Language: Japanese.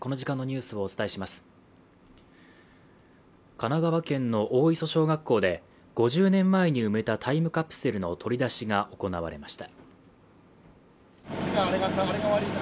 神奈川県の大磯小学校で５０年前に埋めたタイムカプセルの取り出しが行われました。